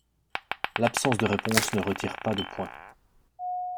L'absence de réponse ne retire pas de point.